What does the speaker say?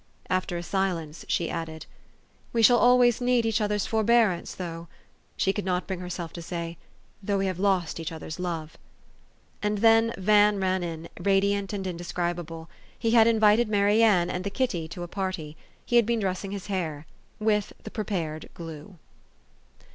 After a silence she added, "We shall always need each other's forbearance, though" She could not bring herself to say, "though we have lost each other's love." And then Van ran in, radiant and indescribable. He had in vited Mary Ann and the kitty to a party. He had been dressing his hair with the prepared glue.